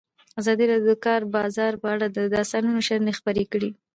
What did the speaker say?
ازادي راډیو د د کار بازار په اړه د استادانو شننې خپرې کړي.